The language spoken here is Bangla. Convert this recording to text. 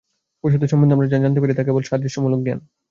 পশুদের সম্বন্ধে আমরা যা জানতে পারি, তা কেবল সাদৃশ্যমূলক জ্ঞান।